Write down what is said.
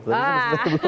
tesisnya selesai belum